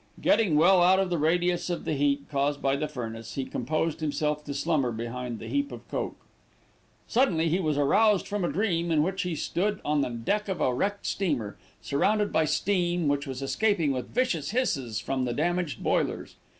Getting well out of the radius of the heat caused by the furnace, he composed himself to slumber behind the heap of coke. Suddenly he was aroused from a dream in which he stood on the deck of a wrecked steamer, surrounded by steam which was escaping with vicious hisses from the damaged boilers.